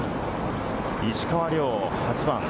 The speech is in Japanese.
石川遼、８番。